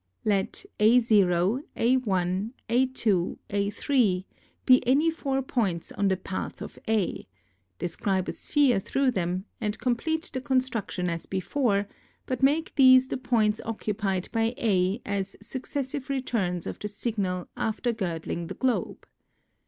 Let Ag A^ A^ A^ be any four points on the path of A ; describe a sphere through them and complete the construction as before, but make these the points occupied by A at successive returns of the signal after girdling the globe.